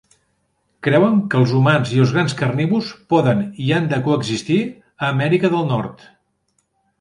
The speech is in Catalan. Creuen que els humans i els grans carnívors poden i han de coexistir a Amèrica del Nord.